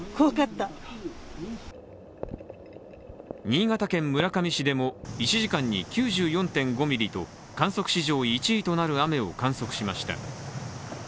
新潟県村上市でも１時間に９４．５ミリと観測史上１位となる雨を観測しました。